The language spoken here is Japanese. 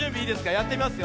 やってみますよ。